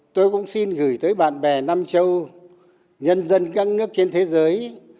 tôi cũng xin gửi tới bạn bè nam châu nhân dân các nước trên thế giới